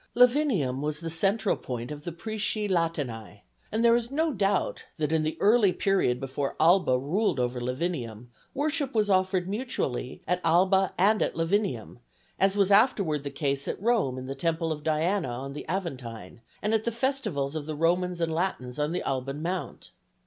Lavinium was the central point of the Prisci Latini, and there is no doubt that in the early period before Alba ruled over Lavinium, worship was offered mutually at Alba and at Lavinium, as was afterward the case at Rome in the temple of Diana on the Aventine, and at the festivals of the Romans and Latins on the Alban mount.